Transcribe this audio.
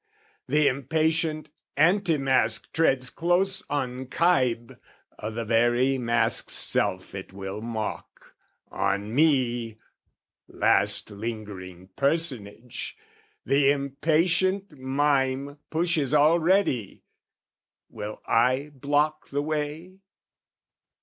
The impatient antimasque treads close on kibe O' the very masque's self it will mock, on me, Last lingering personage, the impatient mime Pushes already, will I block the way?